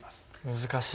難しい。